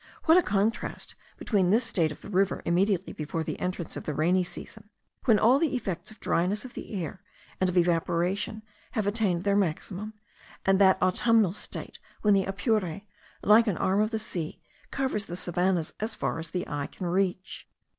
What a contrast between this state of the river immediately before the entrance of the rainy season, when all the effects of dryness of the air and of evaporation have attained their maximum, and that autumnal state when the Apure, like an arm of the sea, covers the savannahs as far as the eye can reach!